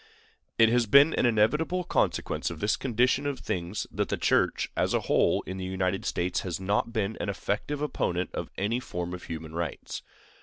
It has been an inevitable consequence of this condition of things that the Church, as a whole, in the United States has not been an effective opponent of any form of human rights.